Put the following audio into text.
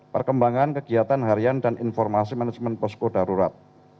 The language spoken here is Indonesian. perkembangan kegiatan harian dan informasi manajemen posko darurat